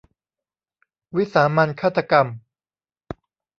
วิสามัญฆาตกรรม